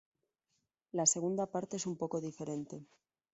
La segunda parte es un poco diferente.